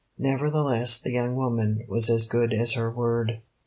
Nevertheless the young woman was as good as her word.